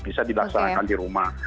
bisa dilaksanakan di rumah